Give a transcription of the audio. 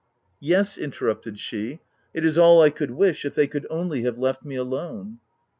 " Yes," interrupted she, " it is all I could wish, if they could only have left me alone."